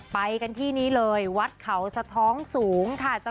ไปกันที่นี้เลยวัดเขาสะท้องสูงค่ะ